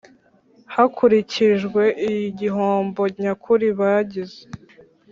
hakurikijwe igihombo nyakuri bagize